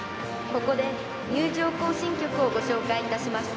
ここで入場行進曲をご紹介いたします。